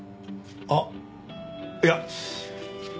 あっいや。